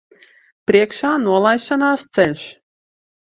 Priekšā nolaišanās ceļš.